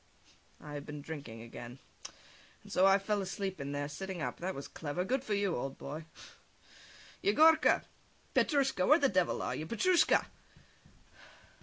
I have been drinking again, and so I fell asleep in there, sitting up. That was clever! Good for you, old boy! [Calls] Yegorka! Petrushka! Where the devil are you? Petrushka!